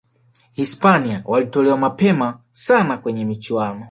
hispania walitolewa nmapema sana kwenye michuano